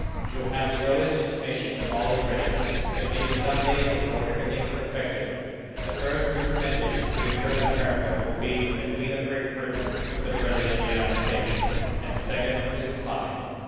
"You shall have the earliest intimation when all is ready, but it may be some days before every thing is perfected. The first through message between Europe and America will be from the Queen of Great Britain to the President of the United States, and the second his reply."